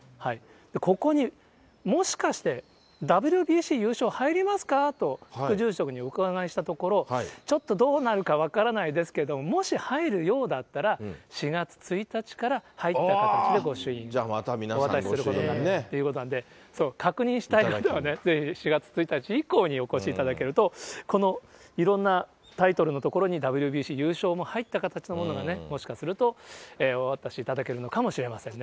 ここにもしかしてＷＢＣ優勝、入りますか？と住職にお伺いしたところ、ちょっとどうなるか分からないですけれども、もし入るようだったら、４月１日から入った形で御朱印お渡しするということなんで、確認したい方はぜひ４月１日以降にお越しいただけると、このいろんなタイトルの所にＷＢＣ優勝も入った形のものがね、もしかすると、お渡しいただけるのかもしれませんね。